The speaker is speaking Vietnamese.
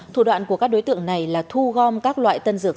thủ đoạn của các đối tượng này là thu gom các loại tân dược